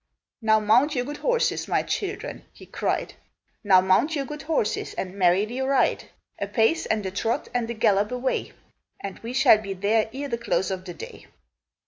"Now mount your good horses, my children!" he cried. "Now mount your good horses and merrily ride! A pace, and a trot, and a gallop, away! And we shall be there ere the close of the day!"